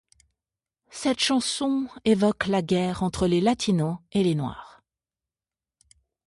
Cette chanson évoque la guerre entre les latinos et les noirs.